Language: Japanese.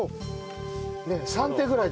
３手ぐらいで。